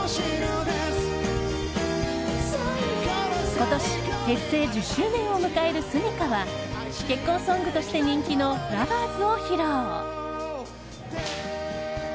今年、結成１０周年を迎えるｓｕｍｉｋａは結婚ソングとして人気の「Ｌｏｖｅｒｓ」を披露。